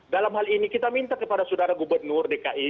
dalam hal ini kita minta kepada saudara gubernur dki